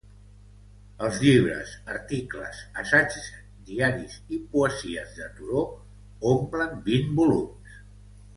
Els llibres, articles, assaigs, diaris i poesies de Thoreau omplen vint volums.